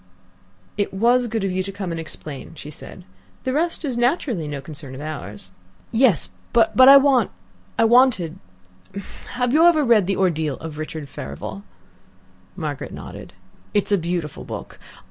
"It was good of you to come and explain," she said. "The rest is naturally no concern of ours." "Yes, but I want I wanted have you ever read THE ORDEAL OF RICHARD FEVEREL?" Margaret nodded. "It's a beautiful book.